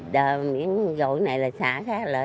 đợi miếng gội này là xả khác lỡ